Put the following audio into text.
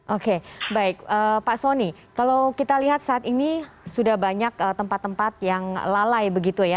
oke baik pak soni kalau kita lihat saat ini sudah banyak tempat tempat yang lalai begitu ya